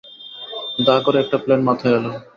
ধাঁ করে একটা প্ল্যান মাথায় এল।